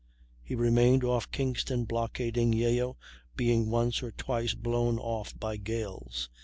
He remained off Kingston blockading Yeo, being once or twice blown off by gales.